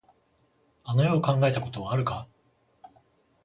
あの世を考えたことはあるか。